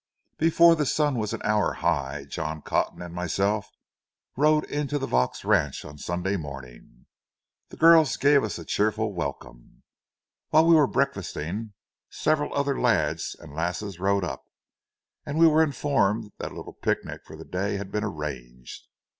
Before the sun was an hour high, John Cotton and myself rode into the Vaux ranch on Sunday morning. The girls gave us a cheerful welcome. While we were breakfasting, several other lads and lasses rode up, and we were informed that a little picnic for the day had been arranged.